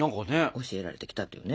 教えられてきたっていうね。